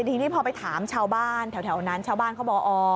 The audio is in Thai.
ทีนี้พอไปถามชาวบ้านแถวนั้นชาวบ้านเขาบอกอ๋อ